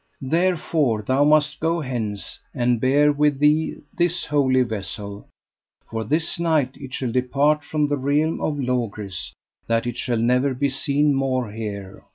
Therefore thou must go hence and bear with thee this Holy Vessel; for this night it shall depart from the realm of Logris, that it shall never be seen more here.